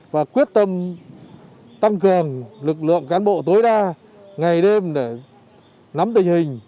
và quyết tâm tăng cường lực lượng cán bộ tối đa ngày đêm để nắm tình hình